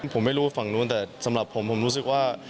ผมไม่รู้ฝั่งนู้นแต่สำหรับผมผมรู้สึกว่า